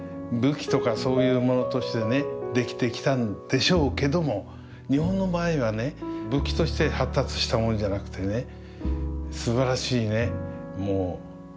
武器とかそういうものとしてね出来てきたんでしょうけども日本の場合はね武器として発達したものじゃなくてね